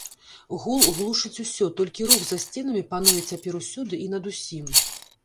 Гул глушыць усё, толькі рух за сценамі пануе цяпер усюды і над усім.